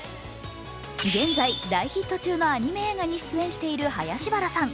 現在大ヒット中のアニメ映画に出演している林原さん。